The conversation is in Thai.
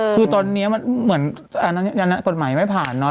คือตอนนี้มันเหมือนกฎหมายไม่ผ่านเนาะ